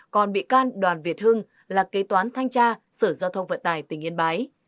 còn bị can đoàn việt hưng là kế toán thanh tra sở giao thông vận tài tỉnh yên bái